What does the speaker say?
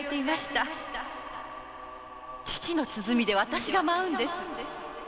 父の鼓で私が舞うんです。